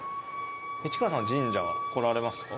市川さんは神社来られますか？